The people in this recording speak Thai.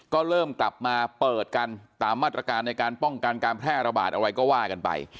ก็เริ่มกลับมาเปิดกันตามมาตรการในการป้องกันการแพร่ระบาดอะไรก็ว่ากันไป